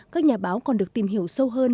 các nhà báo còn được tìm hiểu sâu hơn